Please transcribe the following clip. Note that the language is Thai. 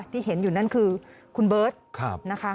ที่เห็นอยู่นั่นคือคุณเบิร์ตนะคะ